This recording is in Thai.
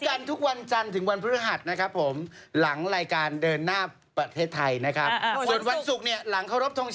อ้าววันนี้วันศุกร์แล้วฮุงคมอ้าววันนี้วันศุกร์แล้วฮุงคม